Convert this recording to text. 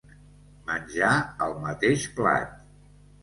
Menjar al mateix plat.